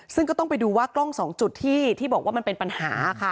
ซึ่งก็ต้องไปดูว่ากล้อง๒จุดที่บอกว่ามันเป็นปัญหาค่ะ